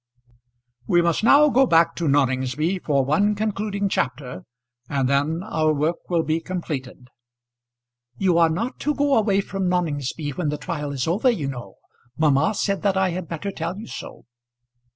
We must now go back to Noningsby for one concluding chapter, and then our work will be completed. "You are not to go away from Noningsby when the trial is over, you know. Mamma said that I had better tell you so."